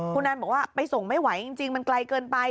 คุณแอนบอกว่าไปส่งไม่ไหวจริงมันไกลเกินไป